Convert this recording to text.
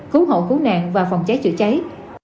cứu hộ cứu nạn và phòng cháy chữa cháy